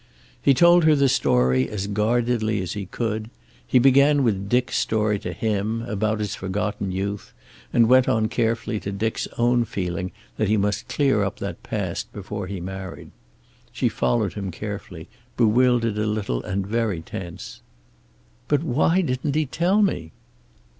He told her the story as guardedly as he could. He began with Dick's story to him, about his forgotten youth, and went on carefully to Dick's own feeling that he must clear up that past before he married. She followed him carefully, bewildered a little and very tense. "But why didn't he tell me?"